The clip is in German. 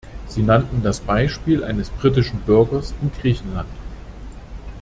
Sie nannten das Beispiel eines britischen Bürgers in Griechenland.